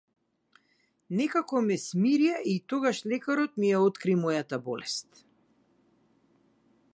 Некако ме смирија и тогаш лекарот ми ја откри мојата болест.